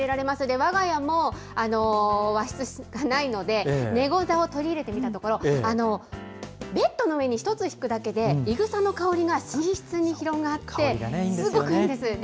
わが家も和室がないので寝ござを取り入れてみたところ、ベッドの上に１つ敷くだけで、いぐさの香りが寝室に広がって、すごくいいんです。